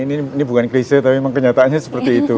ini ini bukan klise tapi memang kenyataannya seperti itu